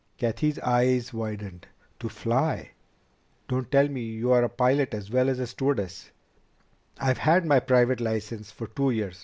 Cathy's eyes widened. "To fly? Don't tell me you're a pilot as well as a stewardess!" "I've had my private license for two years."